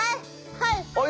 はい。